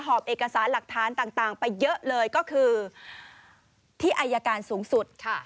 หอบเอกสารหลักฐานต่างไปเยอะเลยก็คือที่อายการสูงสุดค่ะ